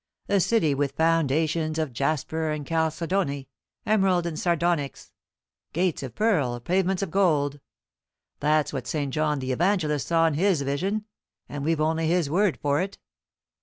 A city with foundations of jasper and chalcedony, emerald and sardonyx; gates of pearl, pavements of gold. That's what St. John the Evangelist saw in his vision; and we've only his word for it.